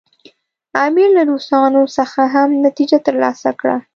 امیر له روسانو څخه هم نتیجه ترلاسه کړه.